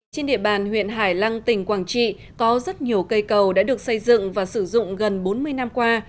trên địa bàn huyện hải lăng tỉnh quảng trị có rất nhiều cây cầu đã được xây dựng và sử dụng gần bốn mươi năm qua